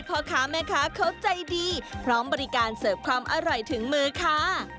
พ่อค้าแม่ค้าเขาใจดีพร้อมบริการเสิร์ฟความอร่อยถึงมือค่ะ